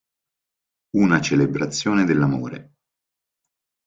Una celebrazione dell'amore.